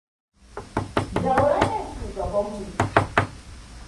Jauro ne shugaban mu.